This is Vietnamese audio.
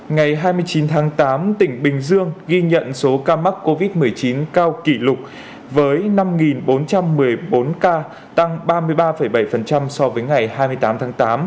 ngày hai mươi chín tháng tám tỉnh bình dương ghi nhận số ca mắc covid một mươi chín cao kỷ lục với năm bốn trăm một mươi bốn ca tăng ba mươi ba bảy so với ngày hai mươi tám tháng tám